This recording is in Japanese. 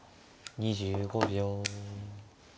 ２５秒。